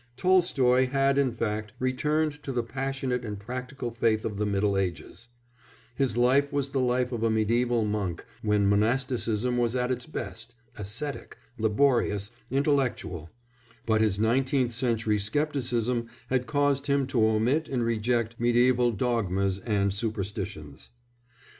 Tolstoy, had, in fact, returned to the passionate and practical faith of the Middle Ages; his life was the life of a mediæval monk when monasticism was at its best ascetic, laborious, intellectual but his nineteenth century scepticism had caused him to omit and reject mediæval dogmas and superstitions.